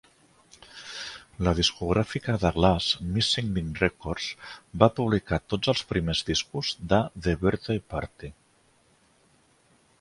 La discogràfica de Glass, Missing Link Records, va publicar tots els primers discos de The Birthday Party.